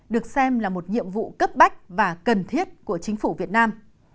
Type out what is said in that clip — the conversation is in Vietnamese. được xem là một nhiệm vụ cấp bách và cần thiết của chính phủ việt nam